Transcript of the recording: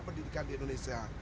pendidikan di indonesia